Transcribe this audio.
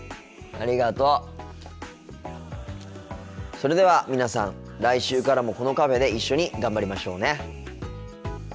それでは皆さん来週からもこのカフェで一緒に頑張りましょうね。